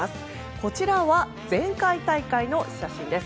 こちらは前回大会の写真です。